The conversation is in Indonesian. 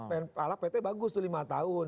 pt bagus tuh lima tahun